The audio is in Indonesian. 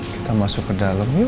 kita masuk ke dalam